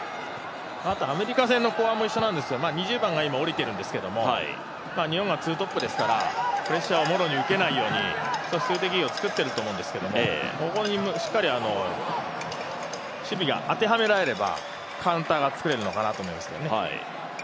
あとアメリカ戦の後半も一緒なんですけど２０番が今、おりてるんですけども日本はツートップですからプレッシャーをもろに受けないようにそういうのをつくってると思うんですけど、そこにしっかり守備が当てはめられればカウンターが作れるんだと。